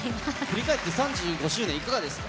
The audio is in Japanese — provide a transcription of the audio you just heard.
振り返って３５周年、いかが